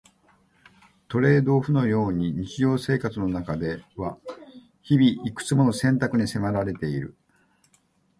トレードオフのように日常生活の中では日々、いくつもの選択に迫られている。